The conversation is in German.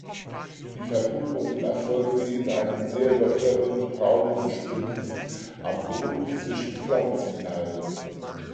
Die Verpuppung erfolgt in einem sehr lockeren, braunen Gespinst am Boden zwischen Pflanzenteilen.